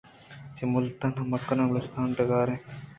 چہ ملتان ءَ مکُران بلوچستانی ڈگار اِنت۔